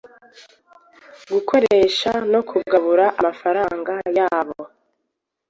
gukoresha no kugabura amafaranga yabo